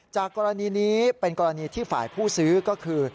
จากกรณีนี้เป็นกรณีที่ฝ่ายผู้ซื้อก็คือ